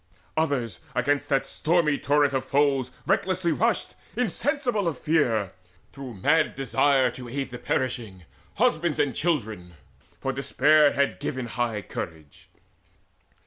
Others against that stormy torrent of foes Recklessly rushed, insensible of fear, Through mad desire to aid the perishing, Husbands or children; for despair had given High courage.